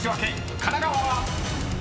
［神奈川は⁉］